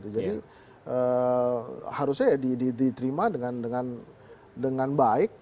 jadi harusnya diterima dengan baik